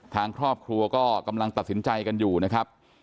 ทางครอบครัวก็กำลังตัดสินใจกันอยู่นะครับ